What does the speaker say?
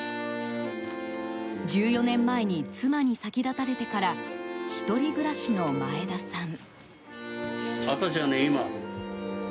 １４年前に妻に先立たれてから１人暮らしの前田さん。